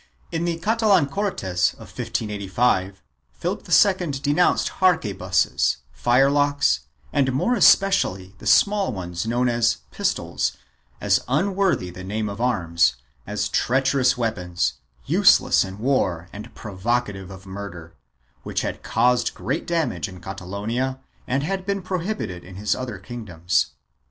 In the Catalan Cortes of 1585, Philip II denounced arquebuses, fire locks and more especially the small ones known as pistols, as unworthy the name of arms, as treacherous weapons, useless in war and provocative of murder, which had caused great damage in Catalonia and had been prohibited in his other kingdoms.